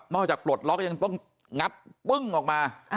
นอกจากปวดล๊อคยังต้องงัดเบื้องออกมา